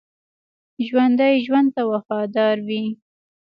ژوندي ژوند ته وفادار وي